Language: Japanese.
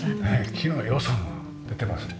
木の良さが出てます。